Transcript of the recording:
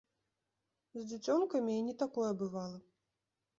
З дзіцёнкамі і не такое бывала!